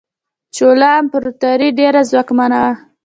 چولا امپراتوري ډیره ځواکمنه وه.